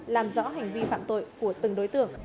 làm rõ hành vi phạm tội của từng đối tượng